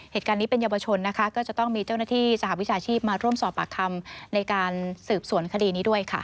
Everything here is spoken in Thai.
เหตุการณ์นี้เป็นเยาวชนนะคะก็จะต้องมีเจ้าหน้าที่สหวิชาชีพมาร่วมสอบปากคำในการสืบสวนคดีนี้ด้วยค่ะ